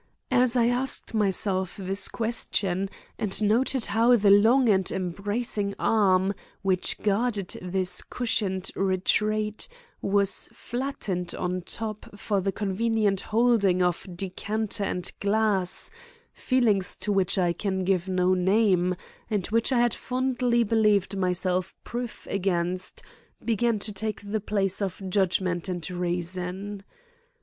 As I asked myself this question and noted how the long and embracing arm which guarded this cushioned retreat was flattened on top for the convenient holding of decanter and glass, feelings to which I can give no name and which I had fondly believed myself proof against, began to take the place of judgment and reason.